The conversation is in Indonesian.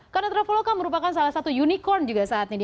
karena traveloka merupakan salah satu unicorn juga saat ini